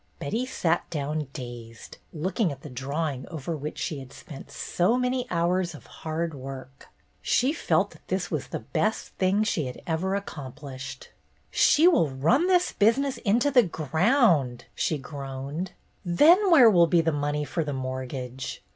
Betty sat down dazed, looking at the draw ing over which she had spent so many hours of hard work. She felt that this was the best thing she had ever accomplished. " She will run this business into the ground," she groaned. "Then where will be the money for the mortgage